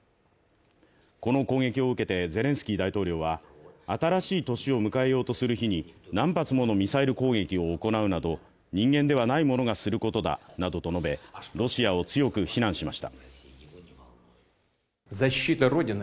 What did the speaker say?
この攻撃を受けてゼレンスキー大統領は新しい年を迎えようとする日に何発ものミサイル攻撃を行うなど人間ではない者がすることだなどと述べロシアを強く非難しました。